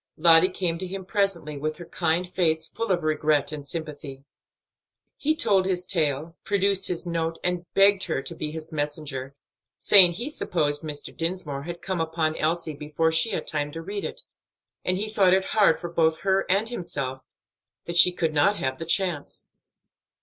Lottie came to him presently, with her kind face full of regret and sympathy. He told his tale, produced his note, and begged her to be his messenger, saying he supposed Mr. Dinsmore had come upon Elsie before she had time to read it, and he thought it hard for both her and himself that she should not have the chance.